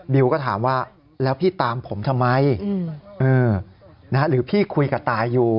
ก็ถามว่าแล้วพี่ตามผมทำไมหรือพี่คุยกับตายอยู่